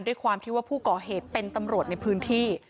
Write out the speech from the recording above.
ด้วยความที่ว่าผู้ก่อเหตุเป็นตำรวจในพื้นที่